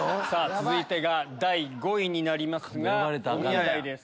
続いてが第５位になりますがおみや代です。